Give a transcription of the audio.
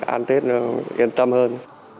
ăn tết yên tâm hơn